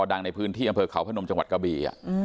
ดังในพื้นที่อำเภอเขาพนมจังหวัดกะบี